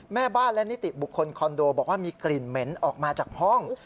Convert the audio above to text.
แม่บ้านและนิติบุคคลคอนโดบอกว่ามีกลิ่นเหม็นออกมาจากห้อง